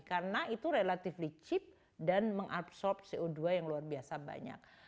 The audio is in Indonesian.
karena itu relatively cheap dan mengabsorb co dua yang luar biasa banyak